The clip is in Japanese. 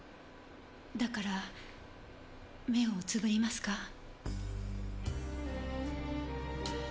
だから目をつぶりますか？